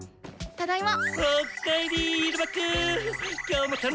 ただいま。